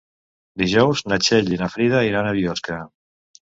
Dijous na Txell i na Frida iran a Biosca.